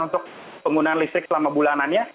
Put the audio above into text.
untuk penggunaan listrik selama bulanannya